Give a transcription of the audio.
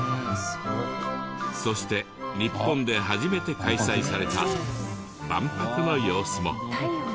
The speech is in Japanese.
そして日本で初めて開催された万博の様子も。